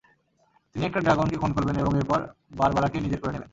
তিনি একটা ড্রাগনকে খুন করবেন এবং এরপর বারবারাকে নিজের করে নেবেন।